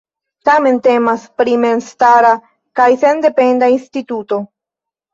Tamen temas pri memstara kaj sendependa instituto.